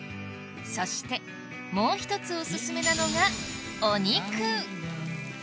そしてもう一つおすすめなのがお肉！